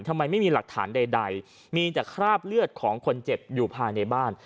ทำไมไม่มีหลักฐานใดมีแต่คราบเลือดของคนเจ็บอยู่ภายในบ้าน